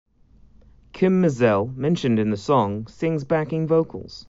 Kym Mazelle, mentioned in the song, sings backing vocals.